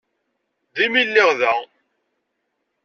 Daymi lliɣ da.